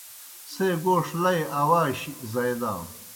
څھے گوݜ لئی اواشیْ زائی دانوْ۔